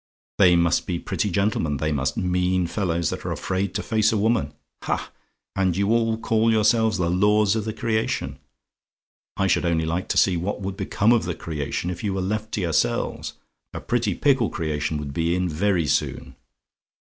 They must be pretty gentlemen, they must; mean fellows, that are afraid to face a woman! Ha! and you all call yourselves the lords of the creation! I should only like to see what would become of the creation, if you were left to yourselves! A pretty pickle creation would be in very soon!